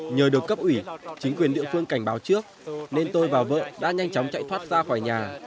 nhờ được cấp ủy chính quyền địa phương cảnh báo trước nên tôi và vợ đã nhanh chóng chạy thoát ra khỏi nhà